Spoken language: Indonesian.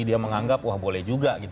dia menganggap wah boleh juga